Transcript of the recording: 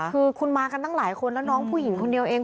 คือคุณมากันตั้งหลายคนแล้วน้องผู้หญิงคนเดียวเอง